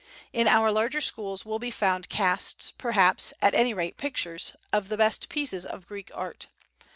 In our larger schools will be found casts, perhaps, at any rate, pictures, of the best pieces of Greek art.